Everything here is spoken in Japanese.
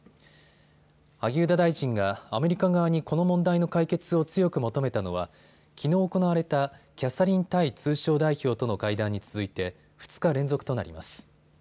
萩生田大臣がアメリカ側にこの問題の解決を強く求めたのはきのう行われたキャサリン・タイ通商代表との会談に続いて２日連続となります。